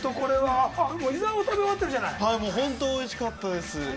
本当においしかったです。